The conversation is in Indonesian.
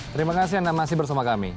terima kasih anda masih bersama kami